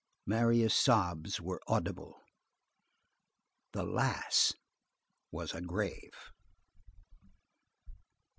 Marius' sobs were audible. The "lass" was a grave.